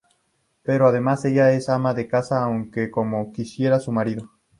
Pero, además, ella es ama de casa aunque no como quisiera su marido.